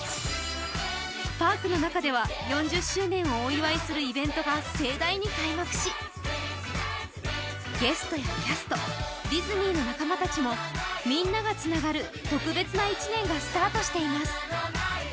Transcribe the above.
パークの中では４０周年をお祝いするイベントが盛大に開幕しゲストやキャスト、ディズニーの仲間たちも、みんながつながる特別な１年がスタートしています。